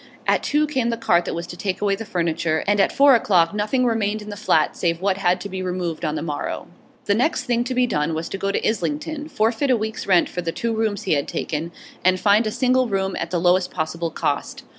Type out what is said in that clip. At two came the cart that was to take away the furniture, and at four o'clock nothing remained in the flat save what had to be removed on the morrow. The next thing to be done was to go to Islington, forfeit a week's rent for the two rooms he had taken, and find a single room at the lowest possible cost.